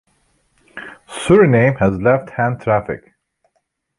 Suriname has left-hand traffic.